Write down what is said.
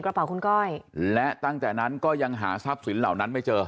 กระเป๋าคุณก้อยและตั้งแต่นั้นก็ยังหาทรัพย์สินเหล่านั้นไม่เจอ